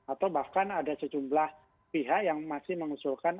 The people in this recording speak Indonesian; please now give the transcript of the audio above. atau bahkan ada sejumlah pihak yang masih mengusulkan